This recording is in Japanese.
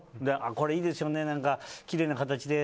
これいいですよね、きれいな形で。